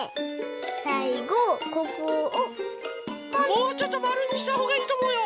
もうちょっとまるにしたほうがいいとおもうよ。